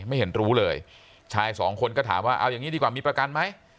ไม่เห็นรู้เลยชายสองคนก็ถามว่าเอาอย่างนี้ดีกว่ามีประกันไหม